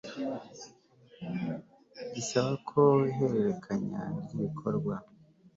gisaba ko ihererekanya ry ibikorwa